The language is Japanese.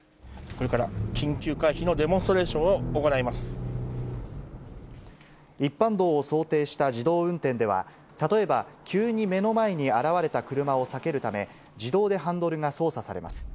これから緊急回避のデモンス一般道を想定した自動運転では、例えば、急に目の前に現れた車を避けるため、自動でハンドルが操作されます。